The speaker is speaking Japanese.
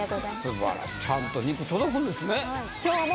素晴らしいちゃんと肉届くんですね